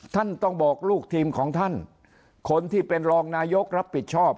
ท่านต้องบอกลูกทีมของท่านคนที่เป็นรองนายกรับผิดชอบ